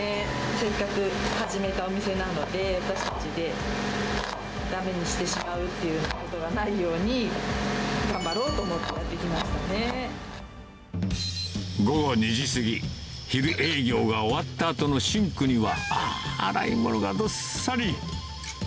せっかく始めたお店なので、私たちでだめにしてしまうっていうことがないように、頑張ろうと午後２時過ぎ、昼営業が終わったあとのシンクには、あー、洗い物がどっさり。